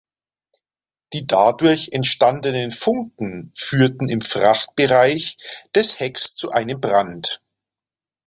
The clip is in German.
Die dadurch entstandenen Funken führten im Frachtbereich des Hecks zu einem Brand.